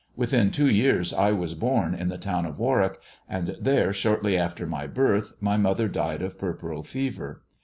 "Within two years I was born in the town of Warwick, and there, shortly after my birth, my mother died of puerperal fever.